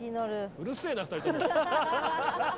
うるせえな２人とも。